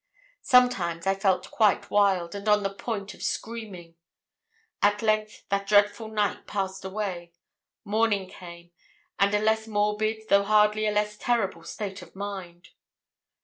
Sometimes I felt quite wild, and on the point of screaming. At length that dreadful night passed away. Morning came, and a less morbid, though hardly a less terrible state of mind.